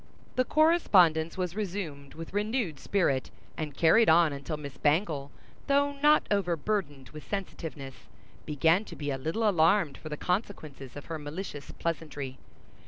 The correspondence was resumed with renewed spirit, and carried on until Miss Bangle, though not overburdened with sensitiveness, began to be a little alarmed for the consequences of her malicious pleasantry.